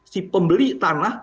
si pembeli tanah